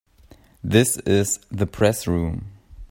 This is the Press Room.